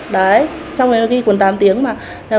đấy trong đấy nó ghi cuốn tám tiếng mà